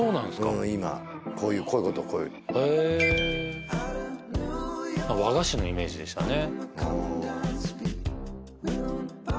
うん今こういうことこういうへえ和菓子のイメージでしたね